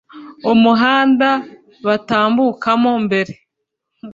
Umuhanda batambukamo mbere